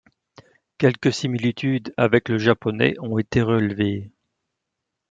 Quelques similitudes avec le japonais ont été relevées.